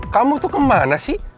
kamu tuh kemana sih